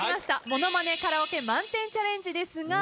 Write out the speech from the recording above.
ものまねカラオケ１００点チャレンジですが。